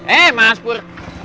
eh mas pur